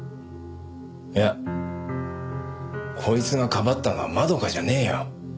いやこいつがかばったのは窓夏じゃねえよ。